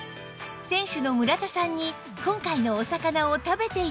店主の村田さんに今回のお魚を食べて頂きました